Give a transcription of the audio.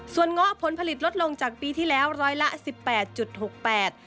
ส่วนง้อผลผลิตลดลงจากปีที่แล้ว๑๘๖๘บาท